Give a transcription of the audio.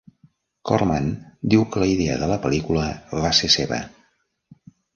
Corman diu que la idea de la pel·lícula va ser seva.